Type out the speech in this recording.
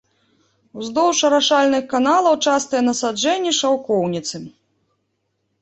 Уздоўж арашальных каналаў частыя насаджэнні шаўкоўніцы.